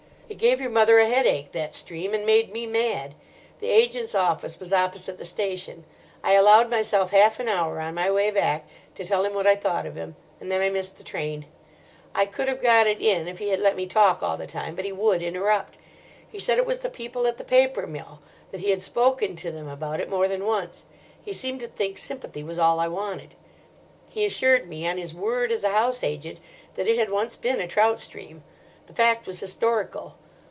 "It gave your mother a headache, that stream, and made me mad. The agent's office was opposite the station. I allowed myself half an hour on my way back to tell him what I thought of him, and then I missed the train. I could have got it in if he had let me talk all the time, but he would interrupt. He said it was the people at the paper mill—that he had spoken to them about it more than once; he seemed to think sympathy was all I wanted. He assured me, on his word as a house agent, that it had once been a trout stream. The fact was historical.